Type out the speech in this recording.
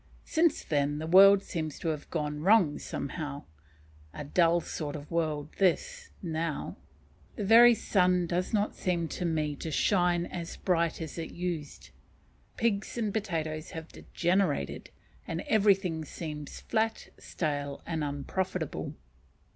Since then the world seems to have gone wrong, somehow. A dull sort of world this, now. The very sun does not seem to me to shine as bright as it used. Pigs and potatoes have degenerated; and everything seems "flat, stale, and unprofitable."